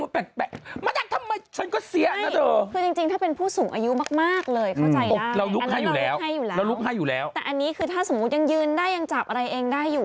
ผมจะอย่างยืนได้อย่างจับอะไรเองได้อยู่